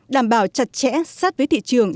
đảm bảo chặt chẽ sát với thị trường